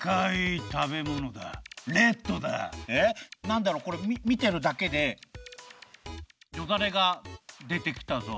なんだろこれみてるだけでよだれがでてきたぞ。